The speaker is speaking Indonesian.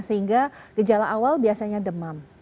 sehingga gejala awal biasanya demam